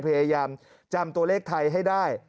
พยายามจำตัวเลขไทยให้ได้